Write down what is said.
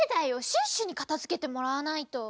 シュッシュにかたづけてもらわないと！